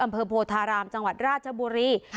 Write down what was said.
อำเภอโพธารามจังหวัดราชบุรี